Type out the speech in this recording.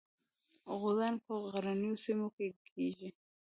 غوزان په غرنیو سیمو کې کیږي.